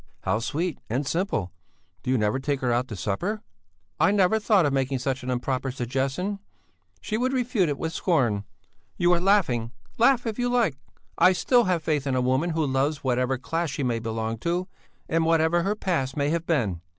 "How sweet and simple! Do you never take her out to supper?" "I never thought of making such an improper suggestion; she would refuse it with scorn. You are laughing! Laugh if you like! I still have faith in a woman who loves whatever class she may belong to, and whatever her past may have been.